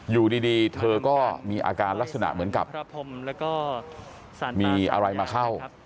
อยู่ดีเธอก็มีอาการลักษณะเหมือนกับมีอะไรมาเข้า